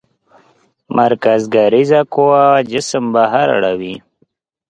مرکزګریز قوه جسم بهر اړوي.